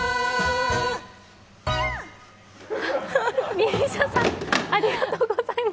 ＭＩＳＩＡさん、ありがとうございます！